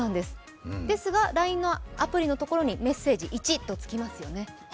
ですがＬＩＮＥのアプリのところにメッセージ１ときますよね